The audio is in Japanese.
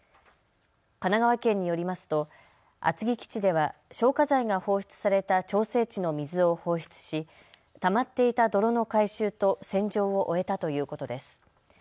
神奈川県によりますと厚木基地では消化剤が放出された調整池の水を放出したまっていた泥の回収と洗浄を終えたということです。